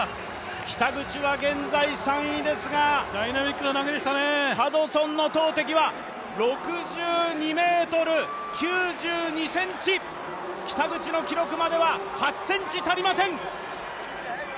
北口は現在３位ですが、ハドソンの投てきは６２ｍ９２ｃｍ、北口の記録までは８ｃｍ足りません。